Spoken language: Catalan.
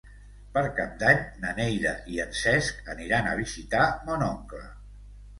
Per Cap d'Any na Neida i en Cesc aniran a visitar mon oncle.